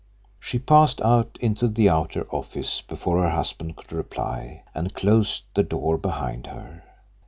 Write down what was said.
She passed out into the outer office before her husband could reply, and closed the door behind her.